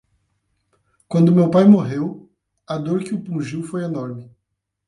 Quando meu pai morreu, a dor que o pungiu foi enorme